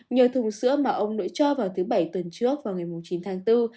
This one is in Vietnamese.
nhờ thùng sữa mà ông nội cho vào thứ bảy tuần trước vào ngày chín tháng bốn